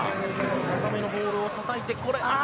高めのボールをたたいて。